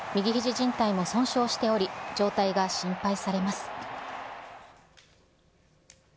じん帯も損傷しており、状態が心配されます。